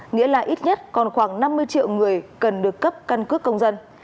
nghĩa là ít nhất còn khoảng năm mươi triệu người cần được cấp căn cước công dân